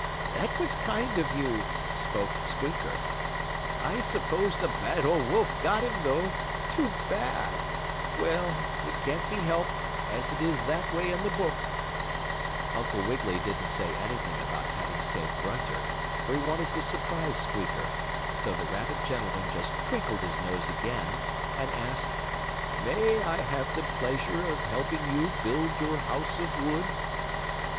"That was kind of you," spoke Squeaker. "I suppose the bad old wolf got him, though. Too bad! Well, it can't be helped, as it is that way in the book." [Illustration: "Little pig! Little pig! Let me come in!"] Uncle Wiggily didn't say anything about having saved Grunter, for he wanted to surprise Squeaker, so the rabbit gentleman just twinkled his nose again and asked: "May I have the pleasure of helping you build your house of wood?"